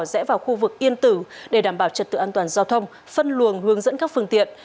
rẽ vào khu vực yên tử để đảm bảo trật tự an toàn giao thông phân luồng hướng dẫn các phương tiện